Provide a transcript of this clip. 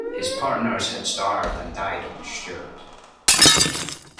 His partners had starved and died on the Stewart.